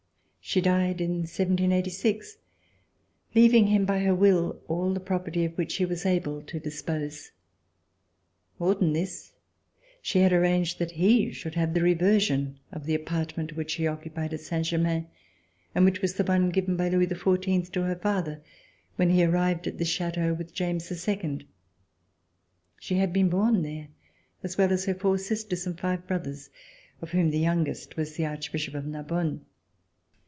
She died in 1786, leaving him by her will all the property of which she was able to dispose. More than this, she had arranged that he should have the reversion of the appartement which she occupied at Saint Germain and which was the one given by Louis XIV to her father when he arrived at this chateau with James II. She had been born there, as well as her four sisters and five brothers, of whom the youngest was the Archbishop of Narbonne.